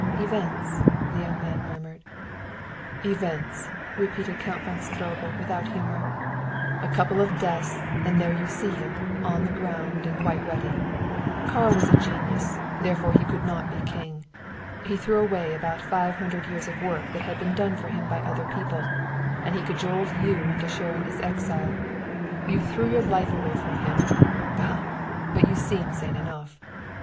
"Events!" the young man murmured. "Events!" repeated Count von Stroebel without humor. "A couple of deaths and there you see him, on the ground and quite ready. Karl was a genius, therefore he could not be king. He threw away about five hundred years of work that had been done for him by other people and he cajoled you into sharing his exile. You threw away your life for him! Bah! But you seem sane enough!"